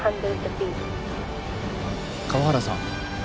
河原さん。